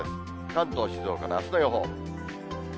関東、静岡のあすの予報。